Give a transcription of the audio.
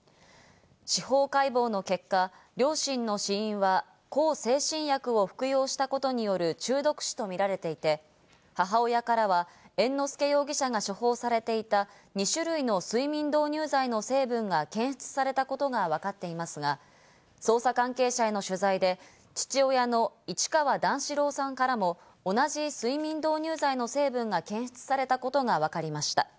司法解剖の結果、両親の死因は向精神薬を服用したことによる中毒死とみられていて、母親からは猿之助容疑者が処方されていた２種類の睡眠導入剤の成分が検出されたことがわかっていますが、捜査関係者への取材で父親の市川段四郎さんからも同じ睡眠導入剤の成分が検出されたことがわかりました。